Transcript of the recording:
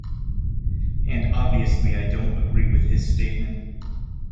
And obviously I don't agree with his statement.